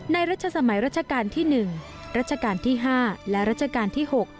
รัชสมัยรัชกาลที่๑รัชกาลที่๕และรัชกาลที่๖